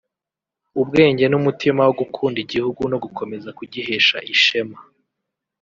ubwenge n’umutima wo gukunda igihugu no gukomeza kugihesha ishema